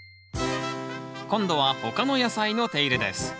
今度は他の野菜の手入れです。